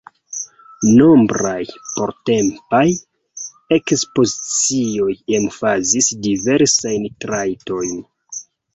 Nombraj portempaj ekspozicioij emfazis diversajn trajtojn.